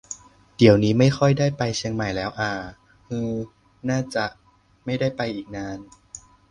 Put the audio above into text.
เดี่ยวนี้ไม่ค่อยได้ไปเชียงใหม่แล้วอ่า ฮือ น่าจะไม่ได้ไปอีกนาน